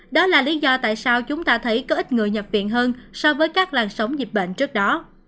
đó là lý do tại sao chúng ta thấy có ít người nhập viện hơn so với các làn sóng dịch bệnh trước đó